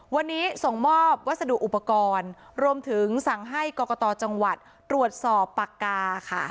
วันนี้ส่งมอบวัสดุอุปกรณ์รวมถึงสั่งให้กรกตจังหวัดตรวจสอบปากกาค่ะ